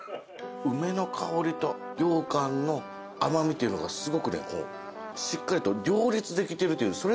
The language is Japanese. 梅の香りとようかんの甘味というのがすごくしっかりと両立できているという。